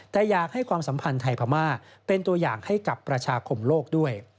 แต่อยากให้ความสัมพันธ์ไทยพม่าเป็นตัวอย่างให้กับประชาคมโลกด้วย